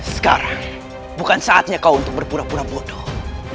sekarang bukan saatnya kau untuk berpura pura bodoh